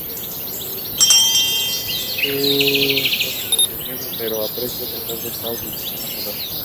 Su táctica funciona, pero a precio de traer el caos al sistema solar.